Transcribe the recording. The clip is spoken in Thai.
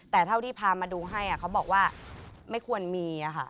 แต่เท่าที่พามาดูให้เขาบอกว่าไม่ควรมีค่ะ